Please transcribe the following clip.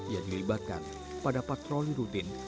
ia dilibatkan pada patroli rutin